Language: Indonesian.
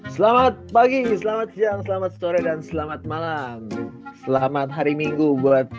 selamat pagi selamat siang selamat sore dan selamat malam selamat hari minggu buat